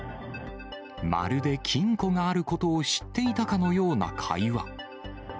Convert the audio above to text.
まるで金庫があることを知っていたかのような会話。